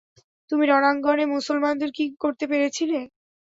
তুমি রণাঙ্গনে মুসলমানদের কি করতে পেরেছিলে?